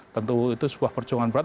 tentu itu sebuah perjuangan berat